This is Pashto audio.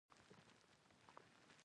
حیوانات د ښکار لپاره استعمالېږي.